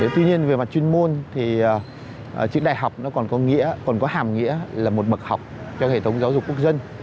tuy nhiên về mặt chuyên môn thì chữ đại học nó còn có nghĩa còn có hàm nghĩa là một bậc học cho hệ thống giáo dục quốc dân